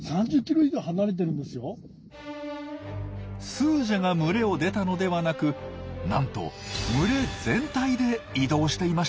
スージャが群れを出たのではなくなんと群れ全体で移動していました。